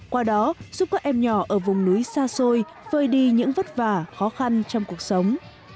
qua đó giúp các em nhỏ ở vùng núi xa xôi vơi đi những vất vả khó khăn trong cuộc sống